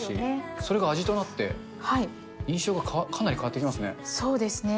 それが味となって、印象がかなりそうですね。